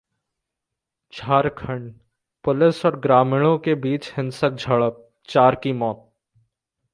Jharkhand: police और ग्रामीणों के बीच हिंसक झड़प, चार की मौत